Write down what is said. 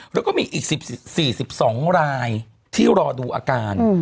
แล้วก็มีอีก๔๒รายที่รอดูอาการ